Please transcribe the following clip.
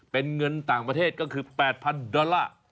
เป็นเงินต่างประเทศก็คือ๘๐๐๐ดอลลาร์